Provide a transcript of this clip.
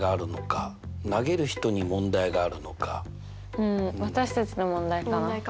うん私たちの問題かな。